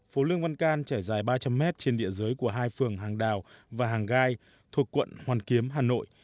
phố lương văn can trải dài ba trăm linh mét trên địa giới của hai phường hàng đào và hàng gai thuộc quận hoàn kiếm hà nội